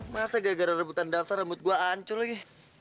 masa gara gara rebutan daftar rambut gue ancur lagi